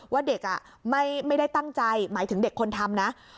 ว่าเด็กไม่ได้ตั้งใจหมายถึงเด็กคนทำนะ